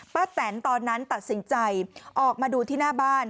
แตนตอนนั้นตัดสินใจออกมาดูที่หน้าบ้าน